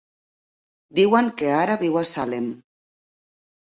Diuen que ara viu a Salem.